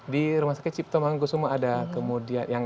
di rumah sakit cipto mangkusumo ada kemudian yang